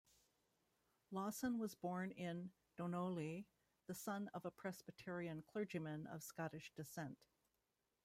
Lawson was born in Dunolly, the son of a Presbyterian clergyman of Scottish descent.